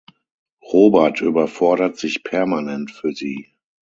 Robert überfordert sich permanent für sie.